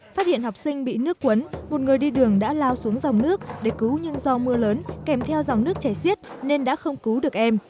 phát hiện học sinh bị nước cuốn một người đi đường đã lao xuống dòng nước để cứu nhưng do mưa lớn kèm theo dòng nước chảy xiết nên đã không cứu được em